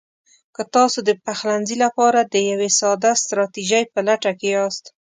که تاسو د پخلنځي لپاره د یوې ساده ستراتیژۍ په لټه کې یاست: